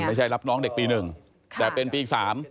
ไม่ใช่รับน้องเด็กปี๑แต่เป็นปี๓